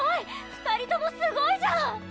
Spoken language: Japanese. ２人ともすごいじゃん！